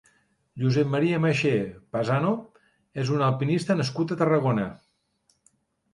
Josep Maria Maixé Pasano és un alpinista nascut a Tarragona.